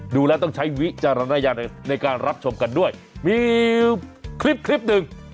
ดูแล้วต้องใช้วิจารณญาณในการรับชมกันด้วยมีคลิปคลิปหนึ่ง